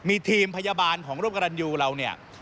มีทีมพยาบาลของรบกรรณยูเรา